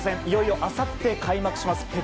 いよいよ、あさって開幕します